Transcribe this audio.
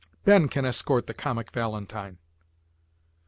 "Ben can escort the comic valentine."